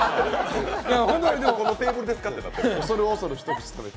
このテーブルですかってなってる。